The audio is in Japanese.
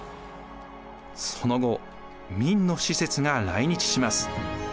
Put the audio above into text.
その後明の使節が来日します。